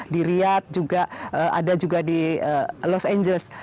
di riyadh juga ada juga di los angeles